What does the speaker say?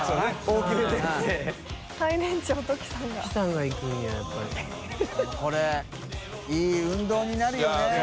海いい運動になるよね。